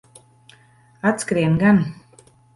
Atskrien gan.